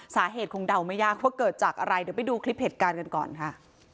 สาเหตุคงเดาไม่ยากว่าเกิดจากอะไรเดี๋ยวไปดูคลิปเหตุการณ์กันก่อนค่ะ